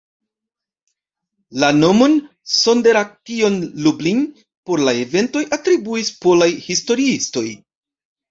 La nomon "Sonderaktion Lublin" por la eventoj atribuis polaj historiistoj.